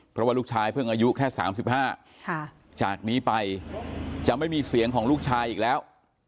เพราะว่าลูกชายเพิ่งอายุแค่๓๕จากนี้ไปจะไม่มีเสียงของลูกชายอีกแล้ว